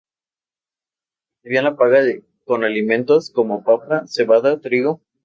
Recibían la paga de su trabajo con alimentos como papa, cebada, trigo.